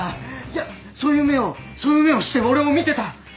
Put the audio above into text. いやそういう目をそういう目をして俺を見てた。